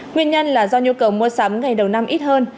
nguyên nhân là do nhu cầu mua sắm ngày đầu năm ít hơn